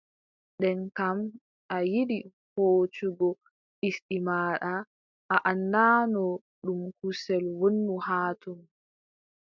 Nden kam a yiɗi hoocugo ɗisdi maaɗa, a anndaano ɗum kusel wonno haa ton.